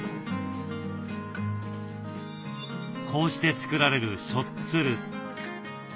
こうして作られる「しょっつる」。